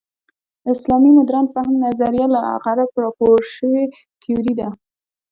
اسلامي مډرن فهم نظریه له غرب راپور شوې تیوري ده.